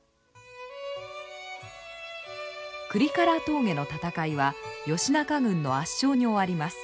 倶利伽羅峠の戦いは義仲軍の圧勝に終わります。